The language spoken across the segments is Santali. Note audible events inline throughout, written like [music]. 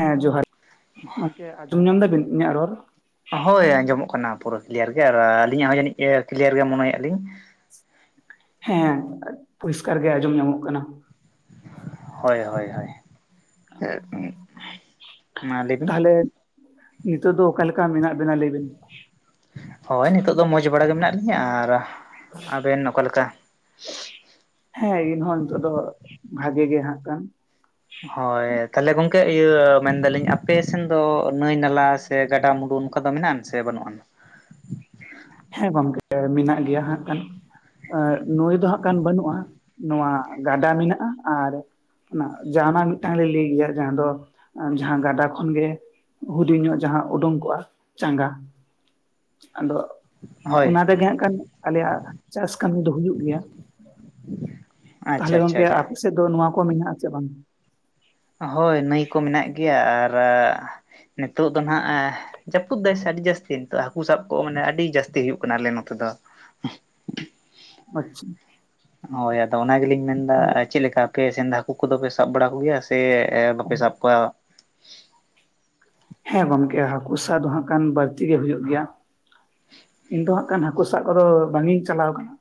ᱦᱮᱸ ᱡᱚᱦᱟᱨ, ᱜᱚᱢᱠᱮ ᱟᱸᱡᱚᱢ ᱧᱟᱢ ᱫᱟᱵᱤᱱ ᱤᱧᱟᱜ ᱨᱚᱲ? ᱦᱳᱭ ᱟᱸᱡᱚᱢᱚᱜ ᱠᱟᱱᱟ ᱯᱩᱨᱟᱹ ᱠᱞᱤᱭᱟᱨ ᱜᱮ ᱾ ᱟᱨ ᱟᱹᱞᱤᱧᱟᱜ ᱦᱚᱸ ᱡᱟᱹᱱᱤᱡ ᱠᱞᱤᱭᱟᱨ ᱜᱮ ᱢᱚᱱᱮᱭᱟᱜ ᱞᱤᱧ? ᱦᱮᱸ ᱯᱚᱨᱤᱥᱠᱟᱨ ᱜᱮ ᱟᱸᱡᱚᱢ ᱧᱟᱢᱚᱜ ᱠᱟᱱᱟ ᱾ ᱦᱳᱭ ᱦᱳᱭ ᱦᱳᱭ ᱾ ᱢᱟ ᱞᱟᱹᱭᱵᱤᱱ ᱛᱟᱦᱚᱞᱮ ᱱᱤᱛᱚᱜ ᱫᱚ ᱚᱠᱟ ᱞᱮᱠᱟ ᱢᱮᱱᱟᱜ ᱵᱮᱱᱟ ᱞᱟᱹᱭ ᱵᱤᱱ? ᱦᱳᱭ ᱱᱤᱛᱚᱜ ᱫᱚ ᱢᱚᱸᱡᱽ ᱵᱟᱲᱟ ᱜᱮ ᱢᱮᱱᱟᱜ ᱞᱤᱧᱟᱹ ᱟᱨ ᱟᱵᱮᱱ ᱚᱠᱟ ᱞᱮᱠᱟ? ᱦᱮᱸ ᱜᱮ ᱱᱚᱜᱼᱚᱭ ᱱᱤᱛᱚᱜ ᱫᱚ ᱵᱷᱟᱜᱤ ᱜᱮ ᱦᱟᱸᱜ ᱠᱟᱱ᱾ ᱦᱳᱭ ᱛᱟᱦᱚᱞᱮ ᱜᱚᱝᱠᱮ ᱤᱭᱟᱹ ᱢᱮᱱ ᱫᱟᱞᱤᱧ ᱟᱯᱮ ᱥᱮᱱ ᱫᱚ ᱱᱟᱹᱭ ᱱᱟᱞᱟ ᱥᱮ ᱜᱟᱰᱟ ᱢᱩᱰᱩ ᱱᱚᱝᱠᱟ ᱫᱚ ᱢᱮᱱᱟᱜᱼᱟ ᱥᱮ ᱵᱟᱹᱱᱩᱜᱼᱟ? ᱦᱮᱸ ᱜᱚᱢᱠᱮ ᱢᱮᱱᱟᱜ ᱜᱮᱭᱟ ᱦᱟᱸᱜ ᱠᱷᱟᱱ ᱾ ᱟᱨ ᱱᱩᱭ ᱫᱚ ᱦᱟᱸᱜ ᱠᱷᱟᱱ ᱵᱟᱹᱱᱩᱜᱼᱟ, ᱱᱚᱣᱟ ᱜᱟᱰᱟ ᱢᱮᱱᱟᱜᱼᱟ ᱟᱨ ᱚᱱᱟ ᱡᱟᱦᱟᱸᱱᱟᱜ ᱢᱤᱫᱴᱟᱝ ᱞᱮ ᱞᱟᱹᱭ ᱜᱮᱭᱟ ᱡᱟᱦᱟᱸ ᱫᱚ ᱡᱟᱦᱟᱸ ᱜᱟᱰᱟ ᱠᱷᱚᱱᱜᱮ ᱦᱩᱰᱤᱧ ᱧᱚᱜ ᱡᱟᱦᱟᱸ ᱩᱰᱩᱝ ᱠᱚᱜᱼᱟ ᱪᱟᱸᱜᱟ, ᱟᱫᱚ ᱦᱳᱭ ᱚᱱᱟ ᱛᱮᱜᱮ ᱦᱟ‌ᱸᱜ ᱠᱷᱟᱱ ᱟᱞᱮᱭᱟᱜ ᱪᱟᱥ ᱠᱟᱹᱢᱤ ᱫᱚ ᱦᱩᱭᱩᱜ ᱜᱮᱭᱟ ᱾ ᱟᱪᱪᱷᱟ ᱟᱪᱪᱷᱟ ᱜᱚᱝᱠᱮ ᱟᱪᱪᱷᱟ ᱟᱯᱮ ᱥᱮᱫ ᱫᱚ ᱱᱚᱣᱟ ᱠᱚ ᱢᱮᱱᱟᱜᱼᱟ ᱥᱮ ᱵᱟᱝ? ᱦᱳᱭ ᱱᱟᱹᱭ ᱠᱚ ᱢᱮᱱᱟᱜ ᱜᱮᱭᱟ ᱟᱨ ᱱᱤᱛᱳᱜ ᱫᱚ ᱱᱟᱦᱟᱜ ᱮᱸ ᱡᱟᱹᱯᱩᱫ ᱫᱟᱭ ᱥᱮ ᱟᱹᱰᱤ ᱡᱟᱹᱥᱛᱤ ᱱᱤᱛᱚᱜ ᱦᱟᱹᱠᱩ ᱥᱟᱵ ᱠᱚ ᱟᱹᱰᱤ ᱡᱟᱹᱥᱛᱤ ᱦᱩᱭᱩᱜ ᱠᱟᱱᱟ ᱟᱞᱮ ᱱᱚᱛᱮ ᱫᱚ [inaudible] ᱟᱪᱪᱷᱟ ᱦᱳᱭ ᱟᱫᱚ ᱚᱱᱟ ᱜᱮᱞᱤᱧ ᱢᱮᱱᱫᱟ ᱪᱮᱫᱞᱮᱠᱟ ᱟᱯᱮ ᱥᱮᱱ ᱫᱚ ᱦᱟᱠᱩ ᱠᱚᱫᱚ ᱯᱮ ᱥᱟᱵ ᱵᱟᱲᱟ ᱠᱚᱜᱮᱭᱟ ᱥᱮ ᱮ ᱵᱟᱯᱮ ᱥᱟᱵ ᱠᱚᱣᱟ ᱦᱮᱸ ᱜᱚᱝᱠᱮ ᱦᱟᱠᱩ ᱥᱟᱵ ᱫᱚ ᱦᱟᱸᱜ ᱠᱷᱟᱱ ᱵᱟᱲᱛᱤ ᱜᱮ ᱦᱩᱭᱩᱜ ᱜᱮᱭᱟ᱾ ᱤᱧ ᱫᱚ ᱦᱟᱸᱜ ᱠᱷᱟᱱ ᱦᱟᱠᱩ ᱥᱟᱵ ᱠᱚᱫᱚ ᱵᱟᱝᱼᱤᱧ ᱪᱟᱞᱟᱣ ᱠᱟᱱᱟ᱾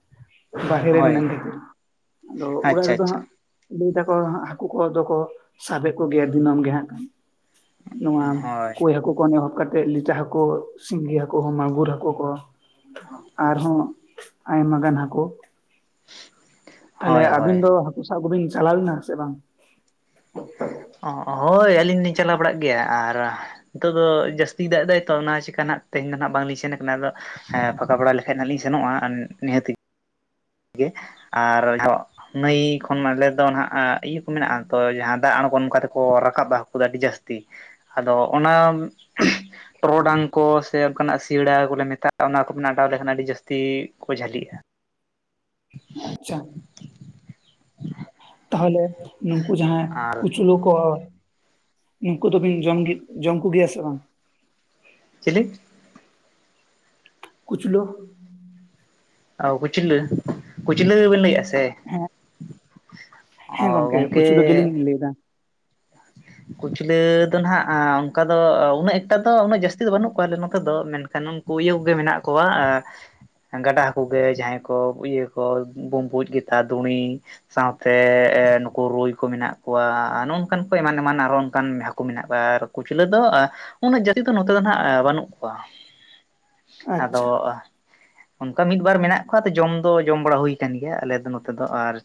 ᱵᱟᱦᱨᱮ ᱦᱳᱭ ᱢᱮᱱᱟᱧᱱ ᱠᱷᱟᱹᱛᱤᱨ ᱫᱚ ᱚᱲᱟᱜ ᱟᱪᱪᱷᱟ ᱨᱮᱫᱚ ᱟᱪᱪᱷᱟ ᱦᱟᱸᱜ᱾ ᱫᱤᱫᱤ ᱛᱟᱠᱚ ᱦᱟᱸᱜ ᱦᱟᱠᱩ ᱠᱚᱫᱚ ᱠᱚ ᱥᱟᱵᱮᱫ ᱠᱚᱜᱮᱭᱟ ᱫᱤᱱᱟᱹᱢ ᱜᱮ ᱦᱟᱸᱜ [inaudible] ᱱᱚᱣᱟ ᱦᱳᱭ ᱠᱳᱭ ᱦᱟᱠᱩ ᱠᱚ ᱮᱦᱚᱵ ᱠᱟᱛᱮᱜ ᱞᱤᱴᱟ ᱦᱟᱠᱩ ᱥᱤᱸᱜᱤ ᱦᱟᱠᱩ ᱢᱟᱜᱩᱨ ᱦᱟᱹᱠᱳ ᱠᱚᱦᱚᱸ ᱟᱨᱦᱚᱸ ᱟᱭᱢᱟᱜᱟᱱ ᱦᱟᱠᱳ ᱛᱟᱦᱞᱮ ᱦᱳᱭ ᱟᱹᱵᱤᱱ ᱦᱳᱭ ᱫᱚ ᱦᱟᱹᱠᱩ ᱥᱟᱵ ᱠᱚᱵᱤᱱ ᱪᱟᱞᱟᱣ ᱞᱮᱱᱟ ᱥᱮ ᱵᱟᱝ ᱚᱸ ᱦᱳᱭ ᱟᱹᱞᱤᱧ ᱫᱚᱞᱤᱧ ᱪᱟᱞᱟᱣ ᱵᱟᱲᱟᱜ ᱜᱮᱭᱟ ᱟᱨ ᱱᱤᱛᱚᱜ ᱫᱚ ᱡᱟᱹᱥᱛᱤᱭ ᱫᱟᱜ ᱮᱫᱟᱭᱛᱚ ᱚᱱᱟ ᱪᱤᱠᱟᱹᱱᱟᱜ ᱛᱮᱦᱮᱧ ᱫᱚ ᱱᱟᱜ ᱵᱟᱝᱞᱤᱧ ᱥᱮᱱ ᱠᱟᱱᱟ ᱟᱫᱚ ᱦᱮᱸ ᱯᱷᱟᱠᱟ ᱵᱟᱲᱟ ᱞᱮᱠᱷᱟᱭᱜ ᱦᱟᱸᱜ ᱞᱤᱧ ᱥᱮᱱᱚᱜᱼᱟ ᱱᱤᱦᱟᱹᱛᱜ ᱜᱮ ᱟᱨ ᱫᱚᱸᱜ ᱱᱟᱹᱭ ᱠᱷᱚᱱ ᱟᱞᱮ ᱫᱚ ᱦᱟᱸᱜ ᱤᱭᱟᱹ ᱠᱚ ᱢᱮᱱᱟᱜᱼᱟ ᱛᱚ ᱡᱟᱦᱟᱸ ᱫᱟᱜ ᱟᱬᱜᱚ ᱱᱚᱝᱠᱟ ᱛᱮᱠᱚ ᱨᱟᱠᱟᱵᱟ ᱦᱟᱹᱠᱩ ᱫᱚ ᱟᱹᱰᱤ ᱡᱟᱥᱛᱤ ᱟᱫᱚ ᱚᱱᱟ [inaudible] ᱴᱚᱨᱚᱰᱟᱝ ᱠᱚ ᱥᱮ ᱚᱱᱠᱟᱱᱟᱜ ᱥᱤᱭᱟᱹᱲᱟ ᱠᱚᱞᱮ ᱢᱮᱛᱟᱜᱼᱟ ᱚᱱᱟ ᱠᱚ ᱚᱰᱟᱣ ᱞᱮᱠᱷᱟᱱ ᱟᱹᱰᱤ ᱡᱟᱹᱥᱛᱤ ᱠᱚ ᱡᱷᱟᱹᱞᱤᱜᱼᱟ᱾ [inaudible] ᱟᱪᱪᱷᱟ ᱛᱟᱦᱚᱞᱮ ᱱᱩᱠᱩ ᱡᱟᱦᱟᱸᱭ ᱟᱨ ᱠᱩᱪᱞᱚ ᱠᱚ᱾ ᱱᱩᱠᱩ ᱫᱚᱵᱤᱱ ᱡᱚᱢ ᱡᱚᱢ ᱠᱚᱜᱮᱭᱟ ᱥᱮ ᱵᱟᱝ? ᱪᱮᱞᱤ ᱠᱩᱪᱞᱩ ᱚᱸ ᱠᱩᱪᱞᱟᱹ ᱠᱩᱪᱞᱟᱹ ᱜᱮᱵᱤᱱ ᱞᱟᱹᱭᱮᱜᱼᱟ ᱥᱮ ᱦᱮᱸ ᱦᱮᱸ ᱜᱚᱝᱠᱮ ᱠᱩᱪᱞᱟᱹ ᱜᱮᱞᱤᱧ ᱞᱟᱹᱭ ᱫᱟ᱾ ᱠᱩᱪᱞᱟᱹ ᱫᱚ ᱱᱟᱦᱟᱸᱜ ᱚᱱᱠᱟ ᱫᱚ ᱩᱱᱟᱹᱜ ᱮᱠᱴᱟ ᱫᱚ ᱩᱱᱟᱹᱜ ᱡᱟᱹᱥᱛᱤ ᱫᱚ ᱵᱟᱹᱱᱩᱜ ᱠᱚᱣᱟ ᱟᱞᱮ ᱡᱠᱚ ᱫᱚ ᱢᱮᱱᱠᱷᱟᱱ ᱩᱱᱠᱩ ᱤᱭᱟᱹ ᱠᱚᱜᱮ ᱢᱮᱱᱟᱜ ᱠᱚᱣᱟ ᱮᱸ ᱜᱟᱰᱟᱸ ᱦᱟᱠᱩ ᱜᱮ ᱡᱟᱦᱟᱸᱭ ᱠᱚ ᱤᱭᱟᱹ ᱠᱚ ᱵᱩᱢᱵᱩᱡ ᱜᱮᱛᱟ ᱫᱩᱸᱲᱤ ᱥᱟᱶᱛᱮ ᱮ ᱱᱩᱠᱩ ᱨᱩᱭ ᱠᱚ ᱢᱮᱱᱟᱜ ᱠᱚᱣᱟ ᱱᱚᱝᱠᱟᱱ ᱠᱚ ᱮᱢᱟᱱᱼᱼ ᱮᱢᱟᱱ ᱟᱨᱚ ᱚᱱᱠᱟᱱ ᱦᱟᱹᱠᱩ ᱢᱮᱱᱟᱜ ᱠᱚᱣᱟ ᱟᱨ ᱠᱩᱪᱞᱟᱹ ᱫᱚ ᱩᱱᱟᱹᱜ ᱡᱟᱹᱛᱤ ᱫᱚ ᱱᱚᱛᱮ ᱫᱚ ᱵᱟᱹᱱᱩᱜ ᱠᱚᱣᱟ᱾ [unintelligible] ᱟᱪᱪᱷᱟ ᱟᱫᱚᱼᱟ ᱚᱱᱠᱟ ᱢᱤᱫᱵᱟᱨ ᱢᱮᱱᱟᱜ ᱠᱚᱣᱟ ᱡᱚᱢ ᱫᱚ ᱡᱚᱢ ᱵᱟᱲᱟ ᱦᱩᱭ ᱠᱟᱱ ᱜᱮᱭᱟ ᱟᱞᱮ ᱱᱚᱛᱮ ᱫᱚ ᱟᱨ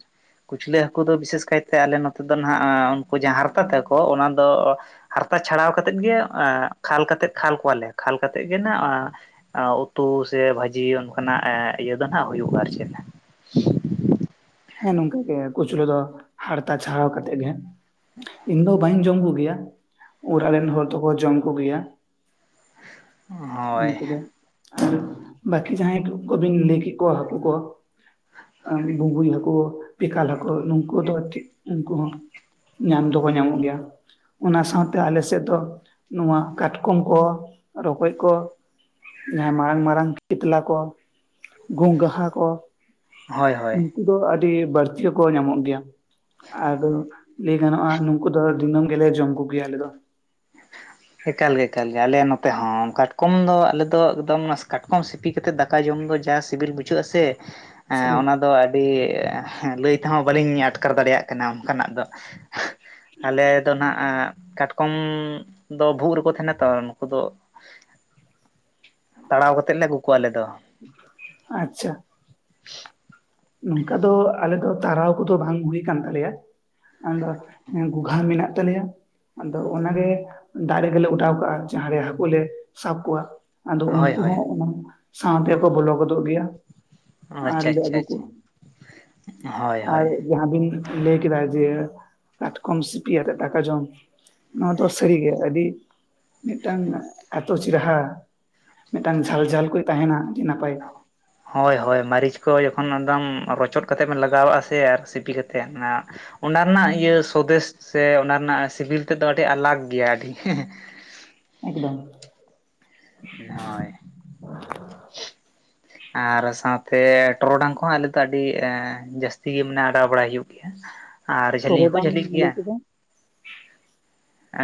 ᱠᱩᱪᱷᱞᱟᱹ ᱦᱟᱹᱠᱩ ᱫᱚ ᱵᱤᱥᱮᱥ ᱠᱟᱭᱛᱮ ᱟᱞᱮ ᱱᱚᱛᱮ ᱫᱚ ᱱᱟᱸᱜ ᱩᱱᱠᱩ ᱡᱟᱦᱟᱸ ᱦᱟᱨᱛᱟ ᱛᱟᱠᱚ ᱚᱱᱟ ᱫᱚ ᱦᱟᱨᱛᱟ ᱪᱷᱟᱲᱟᱣ ᱠᱟᱛᱮᱫ ᱜᱮ ᱮᱸ ᱠᱷᱟᱞ ᱠᱟᱛᱮᱫ ᱠᱷᱟᱞ ᱠᱚᱣᱟᱞᱮ ᱠᱷᱟᱞ ᱠᱟᱛᱮᱫ ᱜᱮ ᱱᱟᱸᱜ ᱮ ᱩᱛᱩ ᱥᱮ ᱵᱷᱟᱡᱤ ᱚᱱᱠᱟᱱᱟᱜ ᱤᱭᱟᱹ ᱫᱚ ᱱᱟᱜ ᱦᱩᱭᱩᱜᱼᱟ ᱟᱨ ᱪᱮᱫ᱾ ᱦᱮᱸ ᱱᱚᱝᱠᱟ ᱜᱮ ᱠᱩᱪᱞᱟᱹ ᱫᱚ ᱦᱟᱨᱛᱟ ᱪᱷᱟᱲᱟᱣ ᱠᱟᱛᱮᱜ ᱜᱮ ᱤᱧ ᱫᱚ ᱵᱟᱹᱧ ᱡᱚᱢ ᱠᱚᱜᱮᱭᱟ ᱩᱲᱟᱜ ᱨᱮᱱ ᱦᱚᱲ ᱫᱚᱠᱚ ᱡᱚᱢ ᱠᱚᱜᱮᱭᱟ ᱦᱚᱸ ᱦᱳᱭ ᱛᱚᱵᱮ ᱮᱸ ᱵᱟᱠᱤ ᱡᱟᱦᱟᱸᱭ ᱠᱚᱵᱤᱱ ᱞᱟᱹᱭ ᱠᱮᱜ ᱠᱚᱣᱟ ᱦᱟᱹᱠᱩ ᱠᱚ ᱮᱢ ᱵᱩᱢᱵᱩᱭ ᱦᱟᱠ ᱳ ᱵᱮᱠᱟᱞ ᱦᱟᱠᱩ ᱱᱩᱠᱩ ᱫᱚ ᱩᱱᱠᱩ ᱧᱟᱢ ᱫᱚᱠᱚ ᱧᱟᱢᱚᱜ ᱜᱮᱭᱟ ᱚᱱᱟ ᱥᱟᱶᱛᱮ ᱟᱞᱮ ᱥᱮᱫ ᱫᱚ ᱱᱚᱣᱟ ᱠᱟᱴᱠᱚᱢ ᱠᱚ ᱨᱚᱠᱚᱡ ᱠᱚ ᱡᱟᱦᱟᱸᱭ ᱢᱟᱨᱟᱝ ᱢᱟᱨᱟᱝ ᱠᱮᱴᱞᱟ ᱠᱚ ᱜᱚᱝᱦᱟ ᱠᱚ ᱦᱳᱭ ᱦᱳᱭ ᱩᱱᱠᱩ ᱫᱚ ᱟᱹᱰᱤ ᱵᱟᱹᱲᱛᱤᱠᱚ ᱧᱟᱢᱚᱜ ᱜᱮᱭᱟ ᱟᱫᱚ ᱞᱟᱹᱭ ᱜᱟᱱᱚᱜᱼᱟ ᱱᱩᱠᱩ ᱫᱚ ᱫᱤᱱᱟᱹᱢ ᱜᱮᱞᱮ ᱡᱚᱢ ᱠᱚᱜᱮᱭᱟ ᱟᱞᱮ ᱫᱚ ᱮᱠᱟᱞᱜᱮ ᱮᱠᱟᱞᱜᱮ ᱟᱞᱮ ᱱᱚᱛᱮ ᱦᱚᱸ ᱠᱟᱴ ᱠᱚᱢ ᱫᱚ ᱟᱞᱮ ᱫᱚ ᱮᱠᱫᱚᱢ ᱚᱱᱟ ᱠᱟᱴᱠᱚᱢ ᱥᱤᱯᱤ ᱠᱟᱛᱮᱫ ᱫᱟᱠᱟ ᱡᱚᱢ ᱫᱚ ᱡᱟ ᱥᱤᱵᱤᱞ ᱵᱩᱡᱷᱟᱹᱜ-ᱟ ᱥᱮ ᱥᱟᱹᱨᱤ ᱚᱱᱟᱫᱚ ᱟᱹᱰᱤ ᱞᱟᱹᱭ ᱛᱮᱦᱚᱸ ᱵᱟᱹᱞᱤᱧ ᱟᱴᱠᱟᱨ ᱫᱟᱲᱮᱭᱟᱜ ᱠᱟᱱᱟ ᱚᱱᱠᱟᱱᱟᱜ ᱫᱚ ᱟᱞᱮ ᱫᱚ ᱱᱟᱦᱟᱜ ᱠᱟᱴᱠᱚᱢ ᱫᱚ ᱵᱷᱩᱜ ᱨᱮᱠᱚ ᱛᱟᱦᱮᱱᱟ ᱛᱚ ᱱᱩᱠᱩ ᱫᱚ ᱛᱟᱲᱟᱣ ᱠᱟᱛᱮᱜ ᱞᱮ ᱟᱹᱜᱩ ᱠᱚᱣᱟ ᱟᱞᱮ ᱫᱚ ᱟᱪᱪᱷᱟ ᱱᱚᱝᱠᱟ ᱫᱚ ᱟᱞᱮ ᱫᱚ ᱛᱟᱲᱟᱣ ᱠᱚᱫᱚ ᱵᱟᱝ ᱦᱩᱭ ᱠᱟᱱ ᱛᱟᱞᱮᱭᱟ ᱟᱫᱚ ᱜᱚᱜᱷᱟ ᱢᱮᱱᱟᱜ ᱛᱟᱞᱮᱭᱟ ᱟᱫᱚ ᱚᱱᱟᱜᱮ ᱫᱟᱜ ᱨᱮᱜᱮ ᱞᱮ ᱚᱰᱟᱣ ᱠᱟᱜᱼᱟ ᱡᱟᱦᱟᱸ ᱨᱮ ᱦᱟᱹᱠᱩ ᱞᱮ ᱥᱟᱵ ᱠᱚᱣᱟ ᱟᱫᱚ ᱦᱳᱭ ᱩᱱᱠᱩ ᱦᱳᱭ ᱦᱚᱸ ᱚᱱᱟ ᱥᱟᱶᱛᱮᱠᱚ ᱵᱚᱞᱚ ᱜᱚᱫᱚᱜ ᱜᱮᱭᱟ ᱟᱪᱪᱷᱟ ᱟᱨᱞᱮ ᱟᱪᱪᱷᱟ ᱟᱹᱜᱩ ᱟᱪᱪᱷᱟ, ᱠᱚᱣᱟ ᱦᱳᱭ ᱦᱳᱭ ᱟᱨ ᱡᱟᱦᱟᱸ ᱵᱤᱱ ᱞᱟᱹᱭ ᱠᱮᱫᱟ ᱡᱮ ᱠᱟᱴᱠᱚᱢ ᱥᱤᱯᱤᱭᱟᱛᱮ ᱫᱟᱠᱟ ᱡᱚᱢ ᱱᱚᱣᱟ ᱫᱚ ᱥᱟᱹᱨᱤ ᱜᱮ ᱟᱹᱰᱤ ᱢᱤᱫᱴᱟᱝ ᱮᱛᱚ ᱪᱤᱨᱦᱟ ᱢᱤᱫᱴᱟᱝ ᱡᱷᱟᱞ ᱡᱷᱟᱞ ᱠᱚ ᱛᱟᱦᱮᱱᱟ ᱟᱹᱰᱤ ᱱᱟᱯᱟᱭ [unintelligible] ᱦᱚᱭ ᱦᱚᱭ ᱢᱟᱹᱨᱤᱪ ᱠᱚ ᱡᱚᱠᱷᱚᱱ ᱮᱠᱫᱚᱢ ᱨᱚᱪᱚᱫ ᱠᱟᱛᱮ ᱵᱮᱱ ᱞᱟᱜᱟᱣᱟᱜᱼᱟ ᱥᱮ ᱟᱨ ᱥᱤᱯᱤ ᱠᱟᱛᱮᱫ ᱚᱱᱟ ᱚᱱᱟ ᱨᱮᱱᱟᱜ ᱤᱭᱟᱹ ᱥᱚᱫᱮᱥ ᱥᱮ ᱚᱱᱟ ᱨᱮᱱᱟᱜ ᱥᱤᱵᱤᱞ ᱛᱮᱫᱚ ᱟᱹᱰᱤ ᱟᱞᱟᱠ ᱜᱮᱭᱟ ᱟᱹᱰᱤ ᱮᱠᱫᱚᱢ ᱦᱳᱭ [unintelligible] ᱟᱨ ᱥᱟᱶᱛᱮ ᱴᱚᱨᱚᱰᱟᱝ ᱠᱚᱦᱚᱸ ᱟᱞᱮ ᱫᱚ ᱟᱹᱰᱤ ᱡᱟᱹᱥᱛᱤ ᱜᱮ ᱢᱮᱱᱟᱜ ᱟᱰᱟᱣ ᱵᱟᱲᱟᱭ ᱦᱩᱭᱩᱜ ᱜᱮᱭᱟ ᱟᱨ ᱡᱷᱟᱹᱞᱤ ᱦᱚᱸᱠᱚ ᱴᱚᱨᱚᱰᱟᱝ ᱡᱷᱟᱹᱞᱤᱜ ᱞᱟᱹᱭ ᱜᱮᱭᱟ ᱠᱮᱫᱟ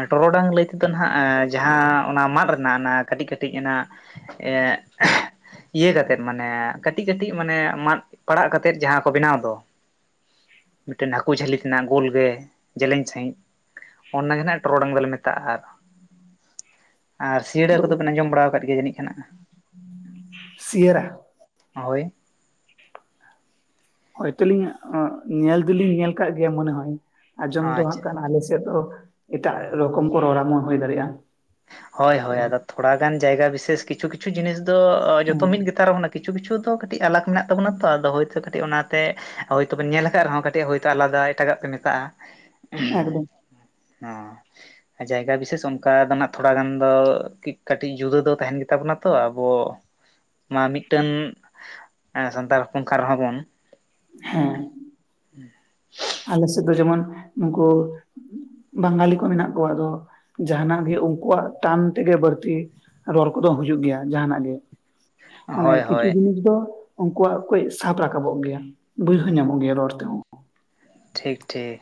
ᱴᱚᱨᱚᱰᱟᱝ ᱞᱟᱹᱭ ᱛᱮᱫᱚ ᱦᱟᱸᱜ ᱡᱟᱦᱟᱸ ᱚᱱᱟ ᱢᱟᱫ ᱨᱮᱱᱟᱜ ᱚᱱᱟ ᱠᱟᱹᱴᱤᱡ ᱠᱟᱹᱴᱤᱡ ᱚᱱᱟ ᱮᱜ ᱤᱭᱟᱹ ᱠᱟᱛᱮᱫ ᱢᱟᱱᱮ ᱠᱟᱹᱴᱤᱡ ᱠᱟᱹᱴᱤᱡ ᱢᱟᱱᱮ ᱢᱟᱫ ᱯᱟᱲᱟᱜ ᱠᱟᱛᱮᱫ ᱡᱟᱦᱟᱸ ᱠᱚ ᱵᱮᱱᱟᱣ ᱫᱚ ᱢᱤᱫᱴᱮᱱ ᱦᱟᱹᱠᱩ ᱡᱷᱟᱹᱞᱤ ᱛᱮᱱᱟᱜ ᱜᱳᱞ ᱜᱮ ᱡᱮᱞᱮᱧ ᱥᱟᱹᱦᱤᱡ ᱚᱱᱟ ᱜᱮ ᱱᱟᱜ ᱴᱚᱨᱚᱰᱟᱝ ᱫᱚᱞᱮ ᱢᱮᱛᱟᱜᱼᱟ, ᱟᱨ ᱥᱤᱭᱟᱹᱲᱟ ᱟᱫᱚ ᱠᱚᱫᱚ ᱵᱮᱱ ᱟᱸᱡᱚᱢ ᱵᱟᱲᱟ ᱠᱟᱫ ᱜᱮᱭᱟ ᱡᱟᱹᱱᱤᱡ ᱠᱷᱟᱱ ᱥᱤᱭᱟᱹᱨᱟ? ᱦᱳᱭ ᱦᱳᱭᱛᱚᱞᱤᱧ ᱧᱮᱞ ᱫᱚᱞᱤᱧ ᱧᱮᱞ ᱠᱟᱜ ᱜᱮᱭᱟ ᱢᱚᱱᱮ ᱦᱚᱭ ᱟᱸᱡᱚᱢ ᱫᱚ ᱦᱟᱸᱜ ᱟᱪᱪᱷᱟ ᱠᱟᱱᱟ ᱟᱞᱮ ᱥᱮᱫ ᱫᱚ ᱮᱴᱟᱜ ᱨᱚᱠᱚᱢ ᱠᱚ ᱨᱚᱲᱟ ᱦᱩᱭ ᱫᱟᱲᱮᱜᱼᱟ ᱦᱳᱭ ᱦᱳᱭ ᱟᱫᱚ ᱛᱷᱚᱲᱟ ᱜᱟᱱ ᱡᱟᱭᱜᱟ ᱵᱤᱥᱮᱥ ᱠᱤᱪᱷᱩ ᱠᱤᱪᱷᱩ ᱡᱤᱱᱤᱥ ᱫᱚ ᱦᱮᱸ ᱡᱚᱛᱚ ᱢᱤᱫ ᱜᱮᱛᱟ ᱨᱮ ᱠᱤᱪᱷᱩ ᱠᱤᱪᱷᱩ ᱫᱚ ᱠᱟᱹᱴᱤᱡ ᱟᱞᱟᱜᱽ ᱢᱮᱱᱟᱜ ᱛᱟᱵᱚᱱᱟ ᱛᱚ ᱟᱫᱚ ᱦᱚᱭᱛᱳ ᱠᱟᱹᱴᱤᱡ ᱚᱱᱟᱛᱮ ᱦᱳᱭᱛᱚᱵᱮᱱ ᱧᱮᱞ ᱠᱟᱜ ᱨᱮᱦᱚᱸ ᱠᱟᱹᱴᱤᱡ ᱦᱳᱭᱛᱳ ᱟᱞᱟᱫᱟ ᱮᱴᱟᱜᱟᱜ ᱯᱮ ᱢᱮᱛᱟᱜᱼᱟ ᱮᱠᱫᱚᱢ ᱦᱚᱸ ᱡᱟᱭᱜᱟ ᱵᱤᱥᱮᱥ ᱚᱱᱠᱟ ᱛᱷᱚᱲᱟ ᱜᱟᱱ ᱫᱚ ᱠᱟᱹᱴᱤᱡ ᱡᱩᱫᱟᱹ ᱫᱚ ᱛᱟᱦᱮᱱ ᱜᱮᱛᱟ ᱵᱚᱱᱟ ᱛᱚ ᱟᱵᱚ ᱢᱟ ᱢᱤᱫᱴᱮᱱ ᱥᱟᱱᱛᱟᱲ ᱦᱚᱯᱚᱱ ᱠᱟᱱ ᱨᱮᱦᱚᱸ ᱵᱚᱱ ᱦᱮᱸ ᱟᱞᱮ ᱥᱮᱫ ᱫᱚ ᱡᱮᱢᱚᱱ ᱱᱩᱠᱩ ᱵᱟᱝᱜᱟᱞᱤ ᱠᱚ ᱢᱮᱱᱟᱜ ᱠᱚᱣᱟ ᱟᱫᱚ ᱡᱟᱱᱟᱜ ᱜᱮ ᱩᱱᱠᱩᱣᱟᱜ ᱴᱟᱱ ᱛᱮᱜᱮ ᱵᱟᱹᱲᱛᱤ ᱨᱚᱲ ᱠᱚᱫᱚ ᱦᱩᱭᱩᱜ ᱜᱮᱭᱟ ᱡᱟᱦᱟᱱᱟᱜ ᱜᱮ ᱢᱟᱱᱮ ᱦᱳᱭ ᱠᱤᱪᱷᱩ ᱦᱳᱭ ᱡᱤᱱᱤᱥ ᱫᱚ ᱩᱱᱠᱩᱣᱟᱜ ᱠᱚᱡ ᱥᱟᱵ ᱨᱟᱠᱟᱵᱚᱜ ᱜᱮᱭᱟ [unintelligible] ᱧᱟᱢᱚᱜ ᱜᱮᱭᱟ ᱨᱚᱲ ᱛᱮᱦᱚᱸ ᱴᱷᱤᱠ ᱴᱷᱤᱠ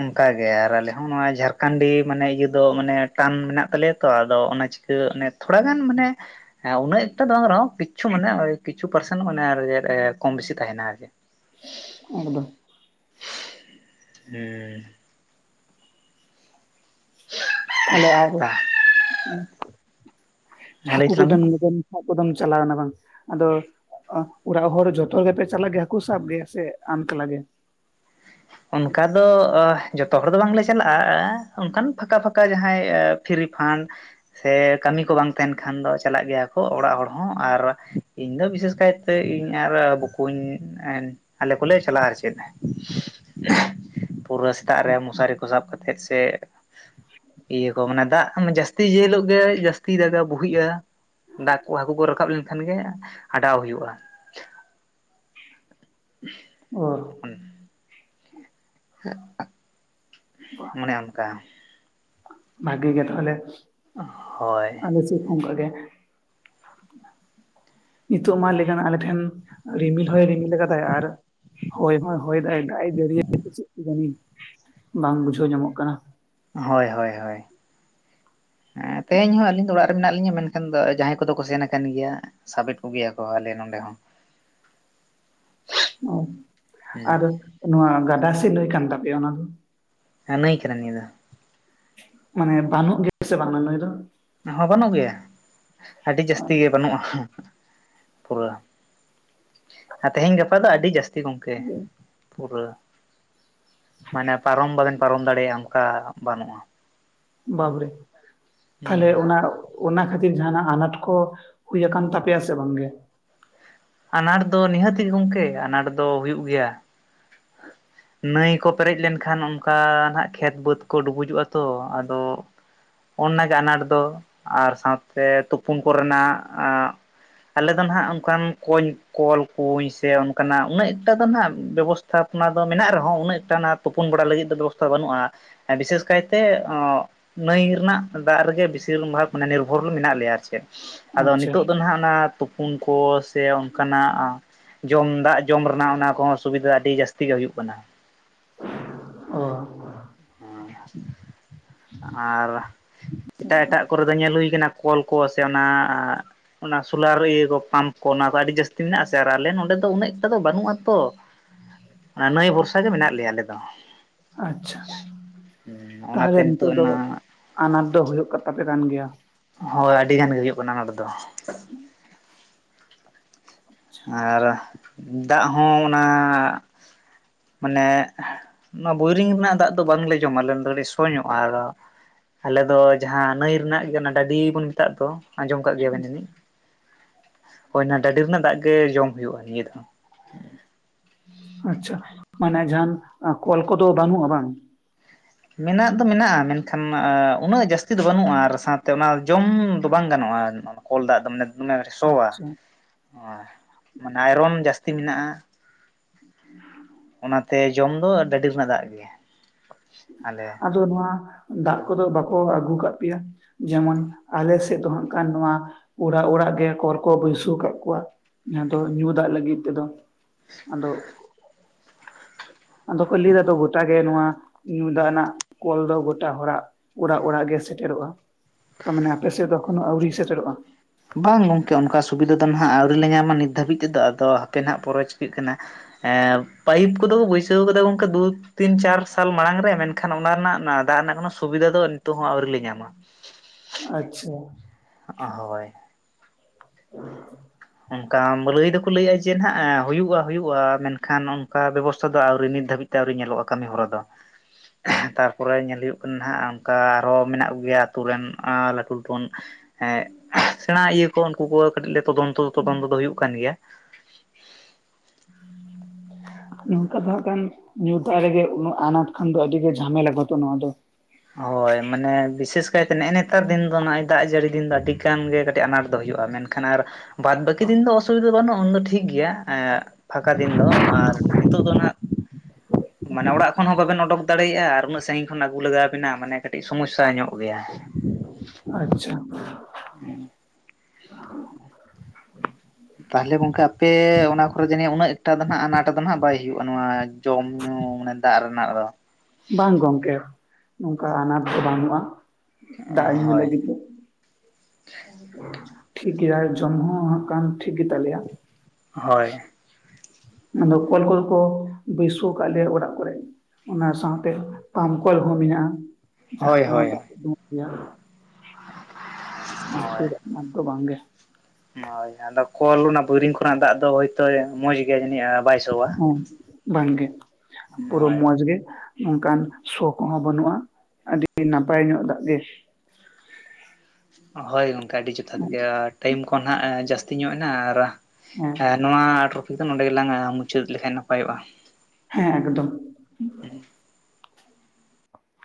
ᱚᱱᱠᱟᱜᱮ ᱟᱨ ᱟᱞᱮ ᱦᱚᱸ ᱱᱚᱣᱟ ᱡᱷᱟᱲᱠᱷᱚᱸᱱᱰᱤ ᱢᱟᱱᱮ ᱤᱭᱟᱹ ᱫᱚ ᱢᱟᱱᱮ ᱴᱟᱱ ᱢᱮᱱᱟᱜ ᱛᱟᱞᱮᱭᱟ ᱛᱚ ᱟᱫᱚ ᱚᱱᱟ ᱪᱮ ᱠᱟᱹ ᱚᱱᱮ ᱛᱷᱚᱲᱟ ᱜᱟᱱ ᱢᱟᱱᱮ ᱦᱮᱸ ᱩᱱᱟᱹᱜ ᱮᱠᱴᱟ ᱫᱚ ᱵᱟᱝ ᱨᱮᱦᱚᱸ ᱠᱤᱪᱷᱩ ᱢᱟᱱᱮ ᱠᱤᱪᱷᱩ ᱯᱟᱨᱥᱮᱱᱴ ᱢᱟᱱᱮ ᱟᱨ ᱪᱮᱫ ᱠᱚᱢ ᱵᱮᱥᱤ ᱛᱟᱦᱮᱱᱟ ᱟᱨ ᱪᱮᱜ᱾ [unintelligible] ᱦᱩᱸ ᱾ ᱛᱟᱦᱞᱮ ᱟᱨ [unintelligible] ᱦᱮᱸ ᱞᱟᱹᱭ [unintelligible] ᱛᱟᱞᱟᱝ ᱢᱮ ᱪᱟᱞᱟᱣᱱᱟ ᱵᱟᱝ ᱟᱫᱚ ᱚᱲᱟᱜ ᱦᱚᱲ ᱡᱚᱛᱚ ᱜᱮᱯᱮ ᱪᱟᱞᱟᱜ ᱜᱮᱭᱟ ᱦᱟᱹᱠᱩ ᱥᱟᱵ ᱜᱮ ᱥᱮ ᱟᱢ ᱮᱠᱞᱟ ᱜᱮ? ᱚᱱᱠᱟ ᱫᱚ ᱡᱚᱛᱚ ᱦᱚᱲ ᱫᱚ ᱵᱟᱝᱞᱮ ᱪᱟᱞᱟᱜᱼᱟ ᱚᱱᱠᱟᱱ ᱯᱷᱟᱸᱠᱟ ᱯᱷᱟᱸᱠᱟ ᱡᱟᱦᱟᱸᱭ ᱯᱷᱤᱨ ᱨᱤᱯᱷᱟᱱᱰ ᱥᱮ ᱠᱟᱹᱢᱤ ᱠᱚ ᱵᱟᱝ ᱛᱟᱦᱮᱱ ᱠᱷᱟᱱ ᱫᱚ ᱪᱟᱞᱟᱜ ᱜᱮᱭᱟ ᱠᱚ ᱚᱲᱟᱜ ᱦᱚᱲ ᱦᱚᱸ ᱟᱨ ᱤᱧ ᱫᱚ ᱵᱤᱥᱮᱥ ᱠᱟᱭᱛᱮ ᱤᱧ ᱟᱨ ᱵᱚᱠᱩᱧ ᱟᱞᱮ ᱠᱚᱞᱮ ᱪᱟᱞᱟᱜᱼᱟ ᱟᱨ ᱪᱮᱫ ᱾ ᱦᱮᱸ ᱾ ᱯᱩᱨᱟᱹ ᱥᱮᱛᱟᱜ ᱨᱮ ᱢᱚᱥᱟᱨᱤ ᱠᱚ ᱥᱟᱵ ᱠᱟᱛᱮᱫ ᱥᱮ ᱤᱭᱟᱹ ᱠᱚ ᱢᱟᱱᱮ ᱫᱟᱜ ᱡᱟᱹᱥᱛᱤ ᱡᱮ ᱦᱤᱞᱳᱜ ᱜᱮ ᱡᱟᱹᱥᱛᱤ ᱫᱟᱜᱟᱭᱟ ᱵᱩᱦᱤᱜᱼᱟ ᱾ ᱫᱟᱜ ᱠᱚ ᱦᱟᱹᱠᱩ ᱠᱚ ᱨᱟᱠᱟᱵ ᱞᱮᱱᱠᱷᱟᱱ ᱜᱮ ᱟᱴᱟᱣ ᱦᱩᱭᱩᱜᱼᱟ ᱾ [unintelligible] ᱚᱨ ᱦᱩᱸ ᱢᱚᱱᱮ ᱚᱱᱠᱟ ᱵᱷᱟᱜᱮ ᱜᱮ ᱛᱟᱦᱚᱞᱮ ᱦᱳᱭ ᱟᱞᱮ ᱥᱤᱮᱫ ᱦᱚᱸ ᱚᱱᱠᱟᱜ ᱜᱮ ᱾ ᱱᱤᱛᱚᱜ ᱢᱟ ᱞᱟᱹᱭ ᱜᱟᱱᱚᱜ-ᱟ ᱟᱞᱮ ᱴᱷᱮᱱ ᱨᱤᱢᱤᱞ ᱦᱚᱭ ᱨᱤᱢᱤᱞ ᱟᱠᱟᱫᱟᱭ ᱟᱨ ᱦᱳᱭ ᱦᱚᱸᱭ ᱦᱳᱭ ᱦᱚᱭ ᱫᱟᱭ ᱫᱟᱜ ᱮᱭ ᱡᱟᱹᱨᱤᱭᱟ ᱪᱮᱫ ᱡᱟᱹᱱᱤ ᱵᱟᱝ ᱵᱩᱡᱷᱟᱹᱣ ᱧᱟᱢᱚᱜ ᱠᱟᱱᱟ ᱾ ᱦᱳᱭ ᱦᱳᱭ ᱦᱳᱭ ᱦᱮᱸ ᱛᱮᱦᱮᱧ ᱦᱚᱸ ᱟᱹᱞᱤᱧ ᱫᱚ ᱚᱲᱟᱜ ᱨᱮ ᱢᱮᱱᱟᱜ ᱞᱤᱧᱟ ᱢᱮᱱ ᱠᱷᱟᱱ ᱫᱚ ᱡᱟᱦᱟᱸᱭ ᱠᱚᱫᱚ ᱠᱚ ᱥᱮᱱ ᱟᱠᱟᱱ ᱜᱮᱭᱟ ᱥᱟᱵᱮᱫ ᱠᱚᱜᱮᱭᱟ ᱠᱚ ᱟᱞᱮ ᱱᱚᱰᱮ ᱦᱚᱸ ᱾ ᱚ ᱟᱨ ᱱᱚᱣᱟ ᱜᱟᱰᱟ ᱥᱮ ᱱᱟᱹᱭ ᱠᱟᱱ ᱛᱟᱯᱮᱭᱟ ᱚᱱᱟ ᱫᱚ? ᱦᱮᱸ ᱱᱟᱹᱭ ᱠᱟᱱᱟ ᱱᱤᱭᱟᱹ ᱫᱚ ᱾ ᱢᱟᱱᱮ ᱵᱟᱹᱱᱚᱜ ᱜᱮ ᱥᱮ ᱵᱟᱝ ᱚᱱᱟ ᱱᱟᱹᱭ ᱫᱚ? ᱦᱚᱸ ᱵᱟᱹᱱᱩᱜ ᱜᱮᱭᱟ ᱟᱹᱰᱤ ᱡᱟᱹᱥᱛᱤ ᱜᱮ ᱵᱟᱹᱱᱩᱜᱼᱟ ᱾ ᱯᱩᱨᱟᱹ ᱛᱮᱦᱮᱧ ᱜᱟᱯᱟ ᱫᱚ ᱟᱹᱰᱤ ᱡᱟᱹᱥᱛᱤ ᱜᱚᱝᱠᱮ ᱾ ᱯᱩᱨᱟᱹ ᱢᱟᱱᱮ ᱯᱟᱨᱚᱢ ᱵᱟᱵᱮᱱ ᱯᱟᱨᱚᱢ ᱫᱟᱲᱮᱭᱟᱜᱼᱟ ᱚᱱᱠᱟ ᱵᱟᱹᱱᱩᱜᱼᱟ ᱾ ᱵᱟᱵᱨᱮ ᱦᱩᱸ ᱛᱟᱦᱚᱞᱮ ᱚᱱᱟ ᱚᱱᱟ ᱠᱷᱟᱹᱛᱤᱨ ᱡᱟᱦᱟᱱᱟᱜ ᱟᱱᱟᱴ ᱠᱚ ᱦᱩᱭ ᱟᱠᱟᱱ ᱛᱟᱯᱮᱭᱟ ᱥᱮ ᱵᱟᱝᱜᱮ? ᱟᱱᱟᱴ ᱫᱚ ᱱᱤᱦᱟᱹᱛᱤ ᱜᱮ ᱜᱚᱝᱠᱮ ᱟᱱᱟᱴ ᱫᱚ ᱦᱩᱭᱩᱜ ᱜᱮᱭᱟ ᱾ [unintelligible] ᱱᱟᱹᱭ ᱠᱚ ᱯᱮᱨᱮᱡ ᱞᱮᱱᱠᱷᱟᱱ ᱚᱱᱠᱟ ᱱᱟᱜ ᱠᱷᱮᱛ ᱵᱟᱹᱫᱽ ᱠᱚ ᱰᱩᱵᱩᱡᱚᱜᱼᱟ ᱛᱚ ᱟᱫᱚ ᱱᱟᱜᱮ ᱟᱱᱟᱴ ᱫᱚ ᱟᱨ ᱥᱟᱣᱛᱮ ᱛᱩᱯᱩᱩᱱ ᱠᱚᱨᱮᱱᱟᱜ ᱟᱞᱮ ᱫᱚ ᱱᱟᱦᱟᱸᱜ ᱚᱱᱠᱟᱱ ᱠᱚᱧ ᱠᱚᱞ ᱠᱩᱧ ᱥᱮ ᱚᱱᱠᱟᱱᱟᱜ ᱩᱱᱟᱹᱜ ᱮᱴᱟ ᱫᱚ ᱦᱱᱟᱜ ᱵᱮᱵᱚᱥ ᱛᱷᱟᱯᱚᱱᱟ ᱫᱚ ᱢᱮᱱᱟᱜ ᱨᱮᱦᱚᱸ ᱩᱱᱟᱹᱜ ᱴᱟ ᱚᱱᱟ ᱛᱩᱯᱩᱱ ᱵᱟᱲᱟ ᱞᱟᱹᱜᱤᱫ ᱫᱚ ᱵᱮᱵᱚᱥᱛᱷᱟ ᱵᱟᱹᱱᱩᱜᱼᱟ ᱾ ᱵᱤᱥᱮᱥ ᱠᱟᱭᱛᱮ ᱱᱟᱹᱭ ᱨᱮᱱᱟᱜ ᱫᱟᱜ ᱨᱮᱜᱮ ᱵᱮᱥᱤᱨ ᱵᱷᱟᱜᱽ ᱢᱟᱱᱮ ᱱᱤᱨᱵᱷᱚᱨ ᱢᱮᱱᱟᱜ ᱞᱮᱭᱟ ᱟᱨ ᱪᱮᱫ ᱾ ᱟᱫᱚ ᱟᱪᱪᱷᱟ ᱱᱤᱛᱳᱜ ᱫᱚ ᱦᱟᱜ ᱚᱱᱟ ᱯᱩᱱ ᱠᱚ ᱥᱮ ᱚᱱᱠᱟᱱᱟᱜ ᱡᱚᱢ ᱫᱟᱜ ᱡᱚᱢ ᱨᱮᱱᱟᱜ ᱚᱱᱟ ᱠᱚᱦᱚᱸ ᱥᱩᱵᱤᱫᱷᱟ ᱟᱹᱰᱤ ᱡᱟᱹᱥᱛᱤ ᱜᱮ ᱦᱩᱭᱩᱜ ᱠᱟᱱᱟ ᱾ ᱚ ᱦᱮᱸ ᱟᱨ ᱮᱴᱟᱜ ᱠᱚᱨᱮ ᱫᱚ ᱧᱮᱞ ᱦᱩᱭ ᱠᱟᱱᱟ ᱠᱚᱞ ᱠᱚ ᱥᱮ ᱚᱱᱟ ᱚᱱᱟ ᱥᱳᱞᱟᱨ ᱤᱭᱟᱹ ᱠᱚ ᱯᱟᱢᱯ ᱠᱚ ᱚᱱᱟ ᱠᱚ ᱟᱹᱰᱤ ᱡᱟᱹᱥᱛᱤ ᱢᱮᱱᱟᱜᱥᱮ ᱟᱨ ᱟᱞᱮ ᱱᱚᱸᱰᱮ ᱫᱚ ᱩᱱᱟᱹᱜ ᱮᱠᱴᱟ ᱫᱚ ᱵᱟᱹᱱᱩᱜᱼᱟ ᱛᱚ ᱾ ᱦᱮᱸ ᱾ [inaudible] ᱚᱱᱟ ᱱᱟᱹᱭ ᱵᱷᱚᱨᱥᱟ ᱜᱮ ᱢᱮᱱᱟᱜ ᱞᱮᱭᱟ ᱟᱞᱮ ᱫᱚ ᱾ ᱟᱪᱪᱷᱟ ᱛᱟᱦᱚᱞᱮ ᱚᱱᱟᱛᱮ ᱱᱤᱛᱚᱜ ᱫᱚ ᱚᱱᱟ ᱟᱱᱟᱴ ᱫᱚ ᱦᱩᱭᱩᱜ ᱛᱟᱯᱮ ᱠᱟᱱ ᱜᱮᱭᱟ ᱾ ᱦᱳᱭ ᱟᱹᱰᱤ ᱜᱟᱱ ᱜᱮ ᱠᱟᱱᱟ ᱟᱱᱟᱴ ᱫᱚ ᱾ ᱟᱨ ᱫᱟᱜ ᱦᱚᱸ ᱚᱱᱟ ᱢᱟᱱᱮ ᱱᱚᱣᱟ ᱵᱳᱭᱨᱤᱝ ᱨᱮᱱᱟᱜ ᱫᱟᱜ ᱫᱚ ᱵᱟᱝᱞᱮ ᱡᱚᱢᱟᱞᱮ ᱠᱟᱹᱴᱤᱡ ᱥᱚ ᱧᱚᱜᱼᱟ ᱟᱨ ᱟᱞᱮ ᱫᱚ ᱡᱟᱦᱟᱸ ᱱᱟᱹᱭ ᱨᱮᱱᱟᱜ ᱜᱮ ᱚᱱᱟ ᱰᱟᱹᱰᱤ ᱵᱚᱱ ᱢᱮᱛᱟᱜ ᱫᱚ ᱟᱸᱡᱚᱢ ᱠᱟᱜ ᱜᱮᱭᱟᱵᱮᱱ ᱡᱟᱱᱤᱡ ᱦᱳᱭ ᱚᱱᱟ ᱰᱟᱹᱰᱤ ᱨᱮᱱᱟᱜ ᱫᱟᱜ ᱜᱮ ᱡᱚᱢ ᱦᱩᱭᱩᱜᱼᱟ ᱱᱤᱭᱟᱹ ᱫᱚ᱾ ᱟᱪᱪᱷᱟ ᱢᱟᱱᱮ ᱡᱟᱦᱟᱱ ᱠᱚᱞ ᱠᱚᱫᱚ ᱵᱟᱹᱱᱩᱜᱼᱟ ᱵᱟᱝ, ᱢᱮᱱᱟᱜ ᱫᱚ ᱢᱮᱱᱟᱜᱼᱟ ᱢᱮᱱᱠᱷᱟᱱ ᱩᱱᱟᱹᱜ ᱡᱟᱹᱥᱛᱤ ᱫᱚ ᱵᱟᱹᱱᱩᱜᱼᱟ ᱟᱨ ᱥᱟᱶᱛᱮ ᱚᱱᱟ ᱡᱚᱢ ᱫᱚ ᱵᱟᱝ ᱜᱟᱱᱚᱜᱼᱟ᱾ ᱠᱚᱞ ᱫᱟᱜ ᱫᱚᱢᱟᱱᱮ ᱫᱚᱢᱮ ᱥᱚᱣᱟ ᱟᱪᱪᱷᱟ ᱢᱟᱱᱮ ᱟᱭᱨᱚᱱ ᱡᱟᱹᱥᱛᱤ ᱢᱮᱱᱟᱜᱼᱟ᱾ [unintelligible] [inaudible] ᱚᱱᱟᱛᱮ ᱡᱚᱢ ᱫᱚ ᱵᱟᱹᱵᱤ ᱨᱮᱱᱟᱜ ᱫᱟᱜ ᱜᱮ ᱟᱞᱮ ᱟᱫᱚ ᱱᱚᱣᱟ ᱫᱟᱜ ᱠᱚᱫᱚ ᱵᱟᱠᱚ ᱟᱹᱜᱩ ᱠᱟᱫ ᱯᱮᱭᱟ? ᱡᱮᱢᱚᱱ ᱟᱞᱮ ᱥᱮᱫ ᱫᱚ ᱦᱟᱜ ᱠᱷᱟᱱ ᱱᱚᱣᱟ ᱚᱲᱟᱜ ᱚᱲᱟᱜ ᱜᱮ ᱠᱚᱞ ᱠᱚ ᱵᱟᱹᱥᱟᱹᱣ ᱟᱠᱟᱫ ᱠᱚᱣᱟ᱾ ᱡᱟᱦᱟᱸ ᱫᱚ ᱧᱩ ᱫᱟᱜ ᱞᱟᱹᱜᱤᱫ ᱛᱮᱫᱚ ᱟᱫᱚ [unintelligible] ᱟᱫᱚᱠᱚ ᱞᱟᱹᱭ ᱮᱫᱟ ᱛᱚ ᱜᱚᱴᱟ ᱜᱮ ᱱᱚᱣᱟ ᱧᱩ ᱫᱱᱟᱜ ᱠᱚᱞ ᱫᱚ ᱜᱚᱴᱟ ᱦᱚᱲᱟᱜ ᱚᱲᱟᱜ ᱚᱲᱟᱜ ᱜᱮ ᱥᱮᱴᱮᱨᱚᱜᱼᱟ᱾ ᱛᱚ ᱢᱟᱱᱮ ᱟᱯᱮ ᱥᱮᱫ ᱫᱚ ᱮᱠᱷᱚᱱᱳ ᱟᱹᱣᱨᱤ ᱥᱮᱴᱮᱨᱚᱜᱼᱟ? ᱵᱟᱝ ᱜᱚᱝᱠᱮ ᱚᱱᱠᱟ ᱥᱩᱵᱤᱫᱷᱟ ᱫᱚ ᱱᱟᱦᱜ ᱟᱹᱣᱨᱤ ᱞᱮ ᱧᱟᱢᱟ ᱱᱤᱛ ᱫᱷᱟᱹᱵᱤᱡ ᱛᱮᱫᱚ ᱟᱫᱚ ᱦᱟᱯᱮ ᱱᱟᱦᱜ ᱯᱚᱨᱮ ᱪᱤᱠᱟᱹᱜ ᱠᱟᱱᱟ᱾ ᱯᱟᱭᱤᱯ ᱠᱚᱫᱚ ᱠᱚ ᱵᱟᱹᱭᱥᱟᱹᱣ ᱠᱟᱫᱟ ᱜᱚᱝᱠᱮ ᱫᱩ, ᱛᱤᱱ ᱪᱟᱨ ᱥᱟᱞ ᱢᱟᱲᱟᱝ ᱨᱮ ᱢᱮᱱᱠᱷᱟᱱ ᱚᱱᱟ ᱨᱮᱱᱟᱜ ᱫᱟᱜ ᱨᱮᱱᱟᱜ ᱠᱚᱱᱳ ᱥᱩᱵᱤᱫᱷᱟ ᱫᱚ ᱱᱤᱛᱚᱜ ᱦᱚᱸ ᱟᱹᱣᱨᱤ ᱞᱮ ᱧᱟᱢᱟ᱾ ᱟᱪᱪᱷᱟ᱾ ᱦᱳᱭ᱾ ᱚ [unintelligible] [inaudible] ᱚᱱᱠᱟ ᱞᱟᱹᱭ ᱫᱚᱠᱚ ᱞᱟᱹᱭᱼᱟ ᱡᱮ ᱱᱟᱦᱟᱜ ᱦᱩᱭᱩᱜᱼᱟ ᱦᱩᱭᱩᱜᱼᱟ ᱢᱮᱱᱠᱷᱟᱱ ᱚᱱᱠᱟ ᱵᱮᱵᱚᱥᱛᱛᱟ ᱫᱚ ᱟᱹᱣᱨᱤ ᱱᱤᱛ ᱫᱷᱟᱹᱵᱤᱡ ᱟᱹᱣᱨᱤ ᱧᱮᱞᱚᱜᱼᱟ ᱠᱟᱹᱢᱤ ᱦᱚᱨᱟ ᱫᱚ᱾ ᱛᱟᱨᱯᱚᱨᱮ ᱧᱮᱞ ᱦᱩᱭᱩᱜᱼᱟ ᱠᱟᱱᱟ ᱦᱟᱸᱜ ᱚᱱᱠᱟ ᱟᱨᱦᱚᱸ ᱢᱮᱱᱟᱜ ᱠᱚᱜᱮᱭᱟ ᱟᱹᱛᱩ ᱨᱮᱱ ᱞᱟᱹᱴᱩ ᱞᱟᱹᱴᱩ, ᱦᱮᱸ ᱥᱮᱬᱟ ᱤᱭᱟᱹ ᱠᱚ ᱩᱱᱠᱩ ᱠᱚ ᱠᱟᱹᱴᱤᱡ ᱞᱮ ᱛᱚᱫᱚᱱᱛᱚ ᱫᱚ ᱛᱚᱫᱚᱱᱛᱚ ᱫᱚ ᱦᱩᱭᱩᱜ ᱠᱟᱱ ᱜᱮᱭᱟ᱾ ᱦᱮᱸ [unintelligible] [inaudible] ᱱᱚᱝᱠᱟ ᱫᱚ ᱦᱟᱜ ᱠᱷᱟᱱ ᱧᱩ ᱫᱟᱜ ᱨᱮᱜᱮ ᱟᱱᱟᱴ ᱠᱷᱟᱱ ᱫᱚ ᱟᱹᱰᱤ ᱜᱮ ᱡᱷᱟᱢᱮᱞᱟ ᱛᱚ ᱱᱚᱣᱟ ᱫᱚ᱾ ᱦᱳᱭ ᱢᱟᱱᱮ ᱵᱤᱥᱮᱥ ᱠᱟᱭᱛᱮ ᱱᱮᱜᱼᱮ ᱱᱮᱛᱟᱨ ᱫᱤᱱ ᱫᱚ ᱱᱚᱼᱚᱭ᱾ ᱫᱟᱜ ᱡᱟᱹᱲᱤ ᱫᱤᱱ ᱫᱚ ᱟᱹᱰᱤᱜᱟᱱ ᱜᱮ ᱠᱟᱹᱴᱤᱡ ᱟᱱᱟᱴ ᱫᱚ ᱦᱩᱭᱩᱜᱼᱟ ᱢᱮᱱᱠᱷᱟᱱ ᱟᱨ ᱵᱟᱫ ᱵᱟᱹᱠᱤ ᱫᱤᱱ ᱫᱚ ᱚᱥᱩᱵᱤ ᱫᱟᱫᱚ ᱵᱟᱹᱱᱩᱜᱼᱟ ᱩᱱᱫᱚ ᱴᱷᱤᱠ ᱜᱮᱭᱟ᱾ ᱯᱷᱟᱸᱠᱟ ᱫᱤᱱ ᱫᱚ ᱟᱨ ᱱᱤᱛᱚᱜ ᱫᱚ ᱦᱟᱜ ᱢᱟᱱᱮ ᱚᱲᱟᱜ ᱠᱷᱚᱱ ᱦᱚᱸ ᱵᱟᱝ ᱵᱟᱚᱵᱮᱱ ᱚᱰᱚᱠᱠ ᱫᱟᱲᱮᱭᱟᱜᱼᱟ ᱟᱨ ᱩᱱᱟᱹᱜ ᱥᱟᱺᱜᱤᱧ ᱠᱷᱚᱱ ᱟᱹᱜᱩ ᱞᱟᱜᱟᱣᱵᱮᱱᱟ ᱢᱟᱱᱮ ᱠᱟᱹᱴᱤᱡ ᱥᱚᱢᱚᱥᱥᱟ ᱧᱚᱜ ᱜᱮᱭᱟ᱾ ᱟᱪᱪᱷᱟ ᱚ ᱛᱟᱦᱚᱞᱮ ᱜᱚᱝᱠᱮ ᱟᱯᱮ ᱚᱱᱟ ᱠᱚᱨᱮ ᱡᱟᱹᱱᱤ ᱩᱱᱟᱹᱜ ᱮᱠᱴᱟ ᱫᱚ ᱱᱟᱦᱟᱜ ᱟᱱᱟᱴᱟ ᱫᱚ ᱱᱟᱦᱟᱜ ᱵᱟᱭ ᱦᱩᱭᱩᱜᱼᱟ ᱱᱚᱣᱟ ᱡᱚᱢ ᱧᱩ ᱢᱟᱱᱮ ᱫᱟᱜ ᱨᱮᱱᱟᱜ ᱫᱚ᱾ ᱵᱟᱝ ᱜᱚᱝᱠᱮ ᱱᱚᱝᱠᱟ ᱟᱱᱟᱴ ᱫᱚ ᱵᱟᱹᱱᱩᱜᱼᱟ ᱫᱟᱜ ᱧᱩ ᱦᱳᱭ ᱞᱟᱹᱜᱤᱫ ᱫᱚ ᱾ ᱴᱷᱤᱠ ᱜᱮᱟᱭ ᱡᱚᱢ ᱦᱚᱸ ᱦᱟᱜ ᱠᱷᱟᱱ ᱴᱷᱤᱠ ᱜᱮᱛᱟᱞᱮᱭᱟ᱾ ᱦᱳᱭ ᱟᱫᱚ ᱠᱚᱞ ᱠᱚᱫᱚ ᱠᱚ ᱵᱟᱹᱭᱥᱟᱹᱣ ᱟᱠᱟᱫ ᱞᱮᱭᱟ ᱚᱲᱟᱜ ᱠᱚᱨᱮ᱾ ᱚᱱᱟ ᱥᱟᱶᱛᱮ ᱯᱟᱢᱯ ᱠᱚᱞ ᱦᱚᱸ ᱢᱮᱱᱟᱜᱼᱟ ᱡᱟᱦᱟᱸ ᱦᱳᱭ ᱛᱮᱦᱚᱸ ᱦᱳᱭ ᱫᱟᱜ ᱩᱰᱩᱝᱼᱚᱜ ᱜᱮᱭᱟ ᱾ ᱚᱱᱟ ᱦᱳᱭ ᱠᱷᱟᱛᱤᱨ ᱟᱱᱟᱴ ᱫᱚ ᱵᱟᱝ ᱜᱮ ᱦᱳᱭ ᱟᱫᱚ ᱠᱚᱞ ᱚᱱᱟ ᱵᱳᱭᱨᱤᱝ ᱠᱷᱚᱱᱟᱜ ᱫᱟᱜ ᱫᱚ ᱦᱳᱭᱛᱳᱭ ᱢᱚᱸᱡᱽ ᱜᱮᱭᱟ ᱡᱟᱹᱱᱤᱡ ᱵᱟᱭ ᱥᱚᱣᱟ? ᱦᱳ ᱵᱟᱝ ᱜᱮ ᱯᱩᱨᱟᱹ ᱦᱳᱭ ᱢᱚᱸᱡᱽ ᱜᱮ, ᱱᱚᱝᱠᱟᱱ ᱥᱚ ᱠᱚᱦᱚᱸ ᱵᱟᱹᱱᱩᱜᱼᱟ ᱟᱹᱰᱤ ᱱᱟᱯᱟᱭ ᱧᱚᱜ ᱫᱟᱜ ᱜᱮ᱾ ᱦᱳᱭ ᱜᱚᱝᱠᱮ ᱟᱹᱰᱤ ᱡᱚᱛᱷᱟᱛ ᱜᱮ ᱟᱨ ᱴᱟᱭᱤᱢ ᱠᱚ ᱱᱟᱦᱟᱜ ᱡᱟᱹᱥᱛᱤ ᱧᱚᱜ ᱮᱱᱟ ᱟᱨ ᱦᱮᱸ ᱟᱨ ᱱᱚᱣᱟ ᱴᱨᱚᱯᱷᱤᱠ ᱫᱚ ᱱᱚᱰᱮ ᱜᱮᱞᱟᱝ ᱢᱩᱪᱟᱹᱫ ᱞᱮᱠᱷᱟᱱ ᱱᱟᱯᱟᱭᱚᱜᱼᱟ᱾ ᱦᱮᱸ ᱮᱠᱫᱚᱢ ᱾ ᱦᱩᱸ